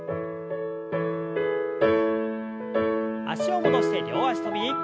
脚を戻して両脚跳び。